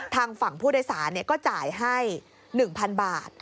ทางฝั่งผู้โดยสารก็จ่ายให้๑๐๐๐บาท